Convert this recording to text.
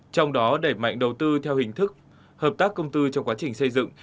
trong đó đẩy mạnh đầu tư theo hình thức hợp tác công tư trong quá trình xây dựng